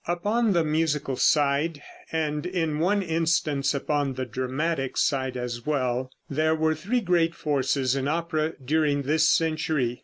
Upon the musical side, and in one instance upon the dramatic side as well, there were three great forces in opera during this century.